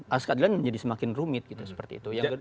asas keadilan menjadi semakin rumit gitu seperti itu